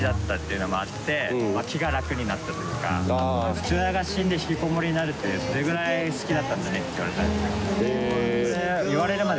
父親が死んで引きこもりになるってそれぐらい好きだったんだねって言われたんですよ。